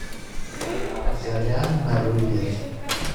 Zerriɛa n merruyet.